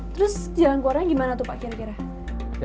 terus jalan keluarnya gimana tuh pak kira kira